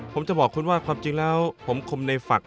ผมจะบอกคุณว่าความจริงแล้วผมคมในฝัก